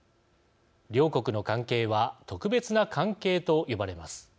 両国の関係は「特別な関係」と呼ばれます。